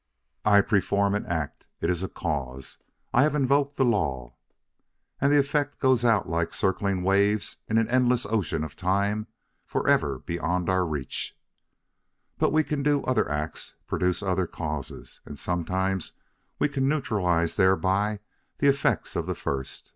"I perform an act. It is a cause I have invoked the law. And the effects go out like circling waves in an endless ocean of time forever beyond our reach. "But we can do other acts, produce other causes, and sometimes we can neutralize thereby the effects of the first.